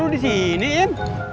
kok lo disini im